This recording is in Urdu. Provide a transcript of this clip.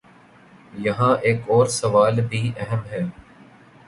یہاں ایک اور سوال بھی اہم ہے۔